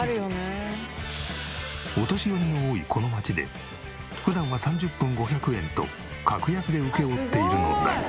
お年寄りの多いこの街で普段は３０分５００円と格安で請け負っているのだが。